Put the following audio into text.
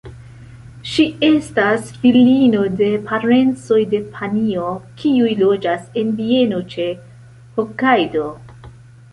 Ŝi estas filino de parencoj de Panjo, kiuj loĝas en bieno ĉe Hokajdo.